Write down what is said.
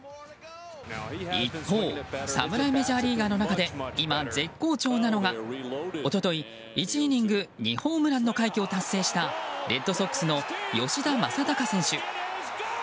一方、侍メジャーリーガーの中で今、絶好調なのが、一昨日１イニング２ホームランの快挙を達成したレッドソックスの吉田正尚選手。